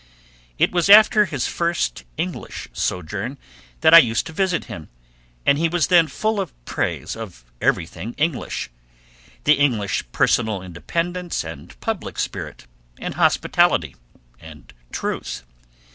It was after his first English sojourn that I used to visit him, and he was then full of praise of everything English: the English personal independence and public spirit, and hospitality, and truth.